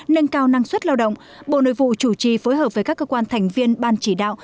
nâng cao năng suất lao động bộ nội vụ chủ trì phối hợp với các cơ quan thành viên ban chỉ đạo